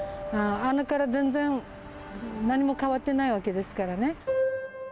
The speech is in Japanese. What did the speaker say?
あれから全然何も変わってないわけですからね。